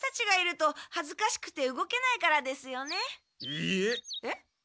いいえ。えっ？